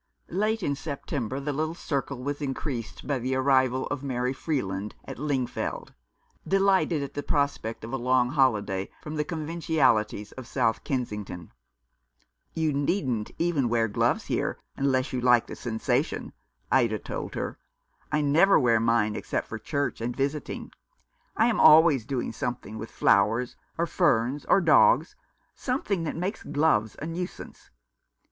Late in September the little circle was increased by the arrival of Mary Freeland at Lingfield, delighted at the prospect of a long holiday from the conventionalities of South Kensington. "You needn't even wear gloves here, unless you like the sensation," Ida told her. " I never wear mine except for church and visiting. I am always doing something with flowers, or ferns, or dogs, something that makes gloves a nuisance.